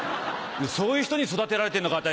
「そういう人に育てられてんのかって」。